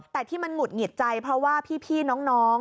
แต่ที่มันหุดหงิดใจเพราะว่าพี่น้อง